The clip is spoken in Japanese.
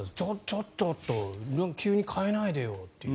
ちょっとって急に変えないでよって。